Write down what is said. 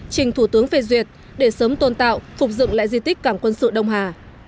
trình thủ tướng phê duyệt để sớm tôn tạo phục dựng lại di tích cảng quân sự đông hà